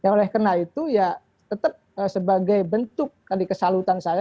oleh karena itu ya tetap sebagai bentuk tadi kesalutan saya